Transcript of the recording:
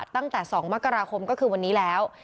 ตั้งแต่๒มกราคมก็คือวันนี้แล้ว